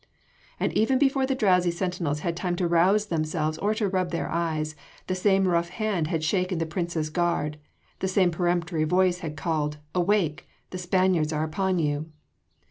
And even before the drowsy sentinels had time to rouse themselves or to rub their eyes, the same rough hand had shaken the Prince’s guard, the same peremptory voice had called: "Awake! the Spaniards are upon you!"